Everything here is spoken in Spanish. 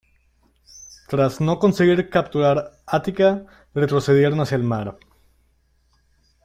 Tras no conseguir capturar Ática, retrocedieron hacia el mar.